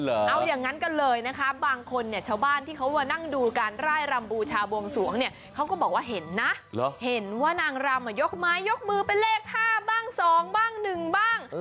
เอาอย่างนั้นกันเลยนะคะบางคนเนี่ยชาวบ้านที่เขามานั่งดูการร่ายรำบูชาบวงสวงเนี่ยเขาก็บอกว่าเห็นนะเห็นว่านางรำยกไม้ยกมือเป็นเลข๕บ้าง๒บ้าง๑บ้าง